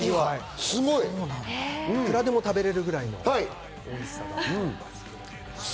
いくらでも食べられるぐらいのおいしさです。